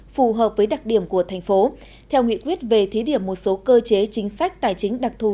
phù hợp với đặc điểm của thành phố theo nghị quyết về thí điểm một số cơ chế chính sách tài chính đặc thù